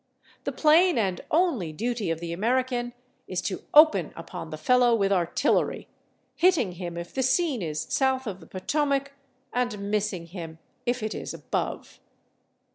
The plain and only duty of the American is to open upon the fellow with artillery, hitting him if the scene is south of the Potomac and missing him if it is above.